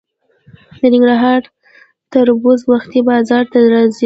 د ننګرهار تربوز وختي بازار ته راځي.